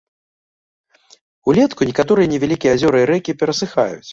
Улетку некаторыя невялікія азёры і рэкі перасыхаюць.